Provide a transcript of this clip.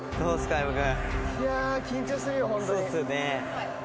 相葉君。